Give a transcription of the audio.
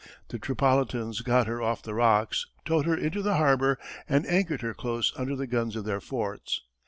The Tripolitans got her off the rocks, towed her into the harbor, and anchored her close under the guns of their forts.